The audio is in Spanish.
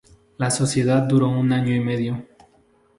La sociedad duró un año y medio.